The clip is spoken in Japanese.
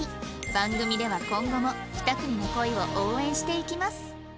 番組では今後も２組の恋を応援していきます